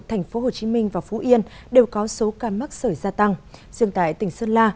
tp hcm và phú yên đều có số ca mắc sởi gia tăng dường tại tỉnh sơn la